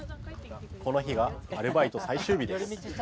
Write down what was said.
この日がアルバイト最終日です。